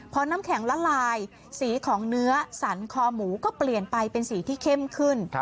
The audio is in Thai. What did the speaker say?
พอน้ำแข็งละลายสีของเนื้อสันคอหมูก็เปลี่ยนไปเป็นสีที่เข้มขึ้น